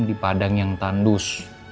di padang yang tandus